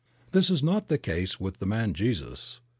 This was not the case with the man Jesus.